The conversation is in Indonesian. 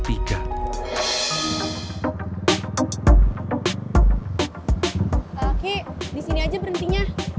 ki disini aja berhentinya